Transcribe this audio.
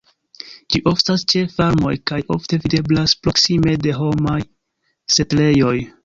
Ĝi oftas ĉe farmoj kaj ofte videblas proksime de homaj setlejoj.